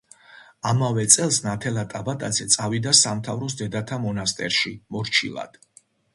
ამავე წელს ნათელა ტაბატაძე წავიდა სამთავროს დედათა მონასტერში მორჩილად.